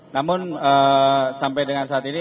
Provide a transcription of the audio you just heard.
namun sampai dengan saat ini